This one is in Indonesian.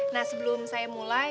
nah sebelum saya mulai